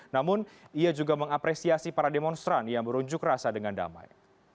namun ia juga mengapresiasi para demonstran yang berunjuk rasa dengan damai